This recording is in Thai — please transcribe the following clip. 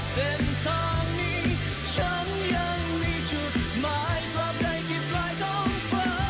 เส้นทางนี้ฉันยังมีจุดหมายความใดที่ปลายท้องฟ้า